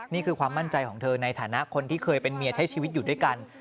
นี่คือความมั่นใจของเธอในฐานะคนที่เคยเป็นเมียใช้ชีวิตอยู่ด้วยกัน